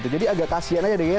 jadi agak kasian aja davidea